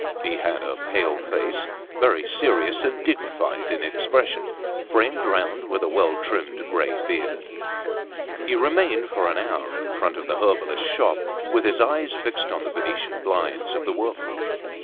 He had a pale face, very serous and dignified in expression, framed round with a well trimmed grey beard. He remained for an hour in front of a herbalist's shop with his eyes fixed on the Venetian blinds of the workroom.